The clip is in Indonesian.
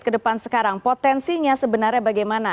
kedepan sekarang potensinya sebenarnya bagaimana